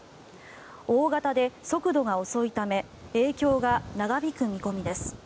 大型で速度が遅いため影響が長引く見込みです。